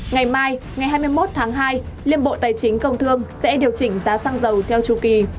ngày mai ngày hai mươi một tháng hai liên bộ tài chính công thương sẽ điều chỉnh giá xăng dầu theo chu kỳ